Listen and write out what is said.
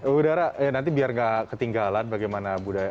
budara nanti biar gak ketinggalan bagaimana budaya